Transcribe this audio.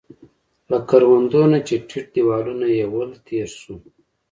له کروندو نه چې ټیټ دیوالونه يې ول، تېر شوو.